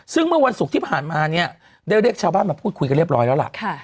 ซึ่งเมื่อวันศุกร์ที่ผ่านมาเนี่ยได้เรียกชาวบ้านมาพูดคุยกันเรียบร้อยแล้วล่ะ